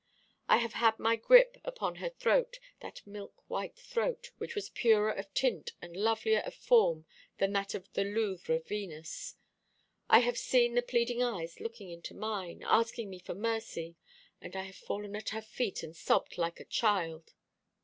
I have had my grip upon her throat that milk white throat, which was purer of tint and lovelier of form than that of the Louvre Venus. I have seen the pleading eyes looking into mine, asking me for mercy, and I have fallen at her feet and sobbed like a child.